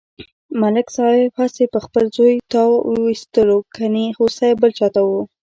ملک صاحب هسې په خپل زوی تاو و ایستلو کني غوسه بل چاته و.